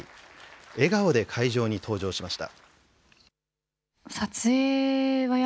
笑顔で会場に登場しました。